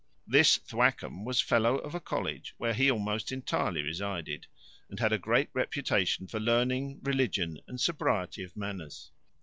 This Thwackum was fellow of a college, where he almost entirely resided; and had a great reputation for learning, religion, and sobriety of manners.